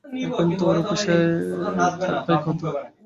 এখন তো ওঁর অফিসে থাকবায় কথা।